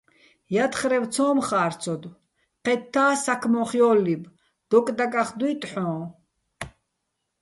ჲათხრევ ცო́მ ხა́რცოდო̆, ჴეთთა́ საქმო́ხ ჲოლლიბ, დოკ დაკახ დუჲტო̆ ჰ̦ოჼ.